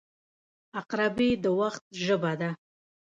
• عقربې د وخت ژبه ده.